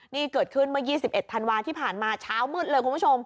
นี่เกิดขึ้นเมื่อ๒๑ธันวาที่ผ่านมาเช้ามืดเลยคุณผู้ชม